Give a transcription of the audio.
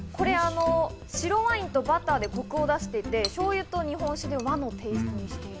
白ワインとバターでコクを出していて、しょうゆと日本酒で和のテイストにしている。